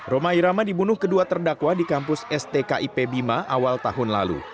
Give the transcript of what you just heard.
roma irama dibunuh kedua terdakwa di kampus stkip bima awal tahun lalu